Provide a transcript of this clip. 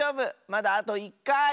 まだあと１かい！